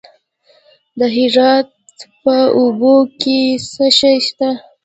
د هرات په اوبې کې څه شی شته؟